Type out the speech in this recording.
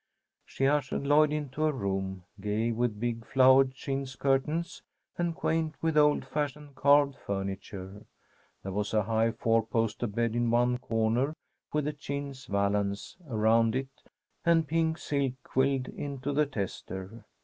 She ushered Lloyd into a room, gay with big flowered chintz curtains, and quaint with old fashioned carved furniture. There was a high four poster bed in one corner, with a chintz valance around it, and pink silk quilled into the tester.